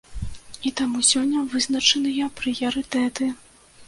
І таму сёння вызначаныя прыярытэты.